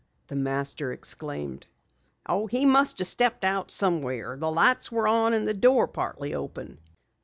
the Master exclaimed. "He must have stepped out somewhere. The lights were on, and the door partly open."